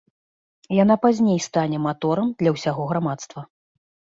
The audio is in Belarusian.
Яна пазней стане маторам для ўсяго грамадства.